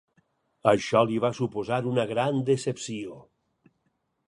Això li va suposar una gran decepció.